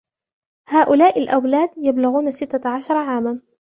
هؤلاء الأولاد يبلغون ستة عشر عاماً.